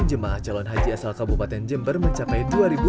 jemaah calon haji asal kabupaten jember mencapai